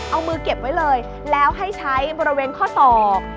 เอามือเก็บไว้เลยแล้วให้ใช้บริเวณข้อศอก